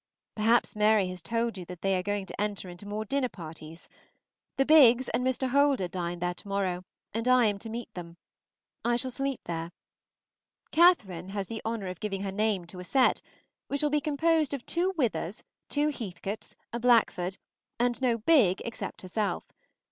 Perhaps Mary has told you that they are going to enter more into dinner parties; the Biggs and Mr. Holder dine there to morrow, and I am to meet them. I shall sleep there. Catherine has the honor of giving her name to a set, which will be composed of two Withers, two Heathcotes, a Blackford, and no Bigg except herself.